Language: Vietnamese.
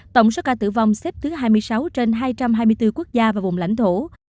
tổng số ca tử vong xếp thứ hai mươi sáu trên hai trăm hai mươi bốn quốc gia và vùng lãnh thổ